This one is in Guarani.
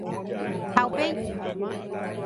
Ha upéi?